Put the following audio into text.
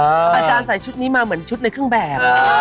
อาจารย์ใส่ชุดนี้มาเหมือนชุดในเครื่องแบบ